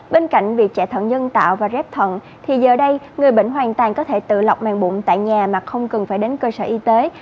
bên cạnh việc chạy thận nhân tạo và ghép thận thì giờ đây người bệnh hoàn toàn có thể tự lọc màng bụng tại nhà mà không cần phải đến cơ sở y tế